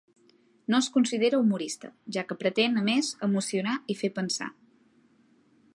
No es considera humorista, ja que pretén, a més, emocionar i fer pensar.